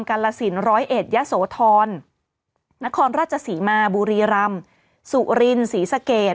กาลสินร้อยเอ็ดยะโสธรนครราชศรีมาบุรีรำสุรินศรีสะเกด